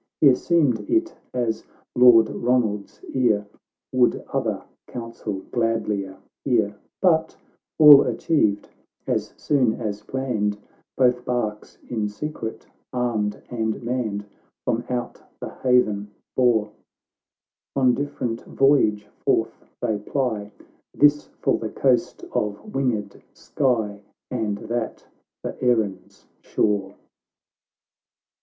— Here seemed it as Lord Ronald's ear Would other counsel gladlier hear; But, all achieved as soon as planned, Both barks in secret armed and manned, From out the haven bore ; On different voyage forth they ply, This for the coast of winged Skye, And that for Erin's shore.